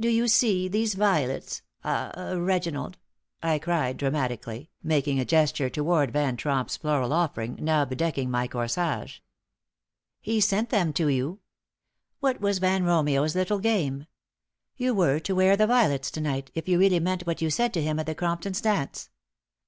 "Do you see these violets ah Reginald?" I cried, dramatically, making a gesture toward Van Tromp's floral offering, now bedecking my corsage. "He sent them to you. What was Van Romeo's little game? You were to wear the violets to night, if you really meant what you said to him at the Cromptons' dance.